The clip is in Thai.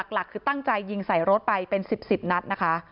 หลักคือตั้งใจยิงใส่รถไปเป็น๑๐นัดนะคะ